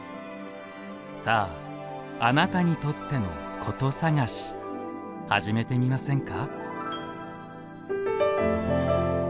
さあ、あなたにとっての古都さがしはじめてみませんか？